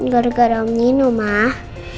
gara gara om nino mak